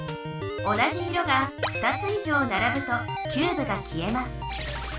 同じ色が２つ以上ならぶとキューブが消えます。